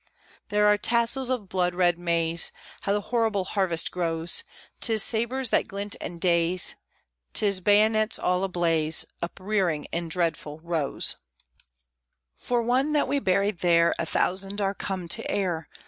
There are tassels of blood red Maize How the horrible Harvest grows! 'Tis sabres that glint and daze 'Tis bayonets all ablaze Uprearing in dreadful rows! For one that we buried there, A thousand are come to air!